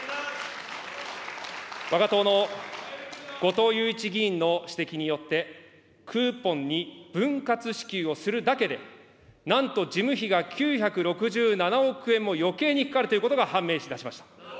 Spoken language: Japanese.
わが党の後藤祐一議員の指摘によって、クーポンに分割支給をするだけで、なんと事務費が９６７億円もよけいにかかるということが判明いたしました。